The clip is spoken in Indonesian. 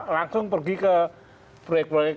langsung pergi ke proyek proyek